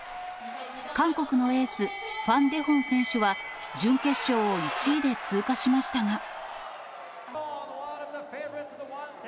韓国のエース、ファン・デホン選手は準決勝を１位で通過しましたが。